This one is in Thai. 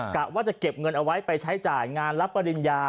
กะว่าจะเก็บเงินเอาไว้ไปใช้จ่ายงานรับปริญญา